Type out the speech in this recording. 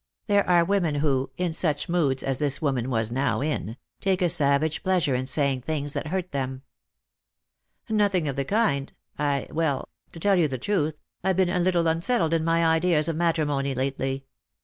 There are women who — in such moods as this woman was now in — take a savage pleasure in saying things that hurt them. " Nothing of the kind — I — well — to tell you the truth, I've been a little unsettled in my ideas of matrimony lately.